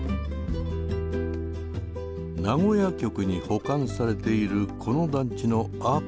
名古屋局に保管されているこの団地のアーカイブスは６０以上。